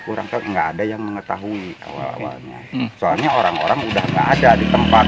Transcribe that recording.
orang enggak ada yang mengetahui awal awalnya soalnya orang orang udah nggak ada di tempat